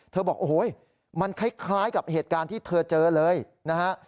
บอกโอ้โหมันคล้ายกับเหตุการณ์ที่เธอเจอเลยนะฮะ